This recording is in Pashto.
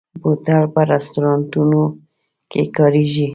بوتل په رستورانتونو کې کارېږي.